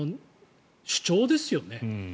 主張ですよね。